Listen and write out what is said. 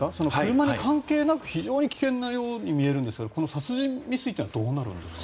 車に関係なく非常に危険なように見えるんですけど殺人未遂はどうなんですか？